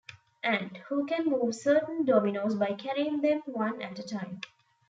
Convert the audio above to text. Ant, who can move certain dominoes by carrying them one at a time.